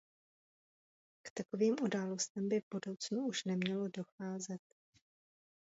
K takovým událostem by v budoucnu už nemělo docházet.